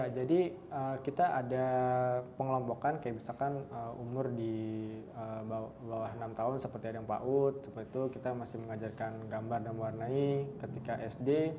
jadi kita ada pengelompokan kayak misalkan umur di bawah enam tahun seperti ada yang paut seperti itu kita masih mengajarkan gambar dan mewarnai ketika sd